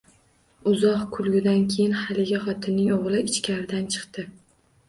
Uzoq kulgidan keyin haligi xotinning oʻgʻli ichkaridan chiqdi.